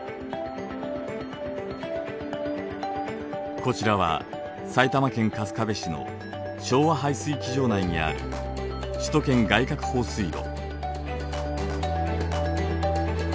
こちらは埼玉県春日部市の庄和排水機場内にある首都圏外郭放水路。